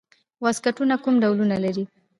واسکټونه کوم ډولونه لري؟